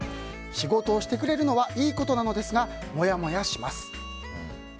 仕事をしてくれるのはいいことなんですがモヤモヤします。